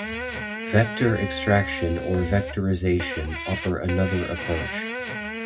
Vector extraction or vectorization offer another approach.